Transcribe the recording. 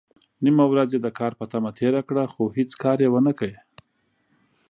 نيمه ورځ يې د کار په تمه تېره کړه، خو هيڅ کار يې ونکړ.